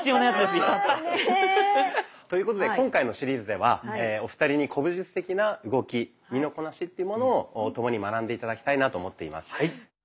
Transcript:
やった！ということで今回のシリーズではお二人に古武術的な動き身のこなしというものを共に学んで頂きたいなと思っています。